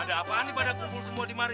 ada apaan nih pada kumpul semua di mana